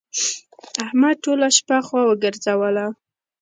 احمد ټوله شپه خوا وګرځوله.